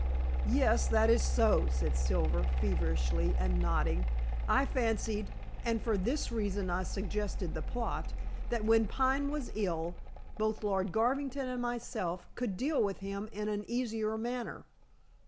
"Yes, that is so," said Silver feverishly, and nodding. "I fancied and for this reason I suggested the plot that when Pine was ill, both Lord Garvington and myself could deal with him in an easier manner.